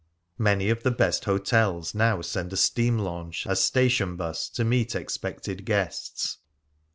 Many of the best hotels now send a steam launch as " station bus " to meet expected guests.